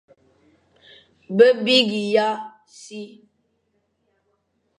Be bîgha si,